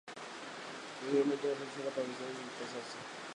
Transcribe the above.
Posteriormente, bajaron al suelo para esconderse y dispersarse.